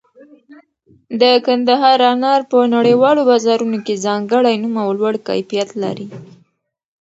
د کندهار انار په نړیوالو بازارونو کې ځانګړی نوم او لوړ کیفیت لري.